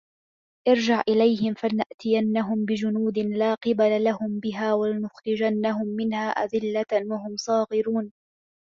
ارجِع إِلَيهِم فَلَنَأتِيَنَّهُم بِجُنودٍ لا قِبَلَ لَهُم بِها وَلَنُخرِجَنَّهُم مِنها أَذِلَّةً وَهُم صاغِرونَ